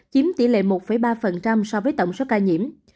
chiếm tỷ lệ một ba so với tổng số ca tử vong